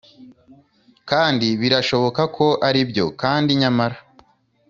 kandi birashoboka ko aribyo, kandi nyamara